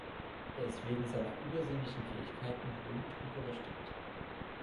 Er ist wegen seiner übersinnlichen Fähigkeiten berühmt und berüchtigt.